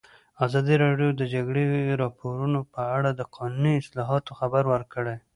ازادي راډیو د د جګړې راپورونه په اړه د قانوني اصلاحاتو خبر ورکړی.